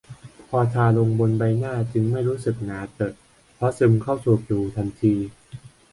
พอทาลงบนใบหน้าจึงไม่รู้สึกหนาเตอะเพราะซึมเข้าสู่ผิวทันที